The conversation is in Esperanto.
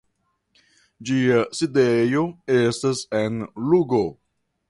Ĝia sidejo estas en Lugo.